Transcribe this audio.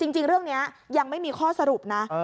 จริงเรื่องนี้ยังไม่มีข้อสรุปนะ